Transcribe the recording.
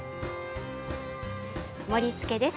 盛りつけです。